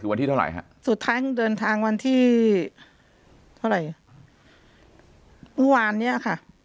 คือวันที่เท่าไหร่ฮะสุดท้ายคงเดินทางวันที่เท่าไหร่เมื่อวานเนี้ยค่ะ